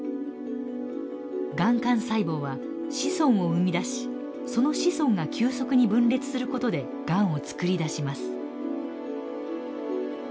がん幹細胞は子孫を生み出しその子孫が急速に分裂することでがんをつくり出します。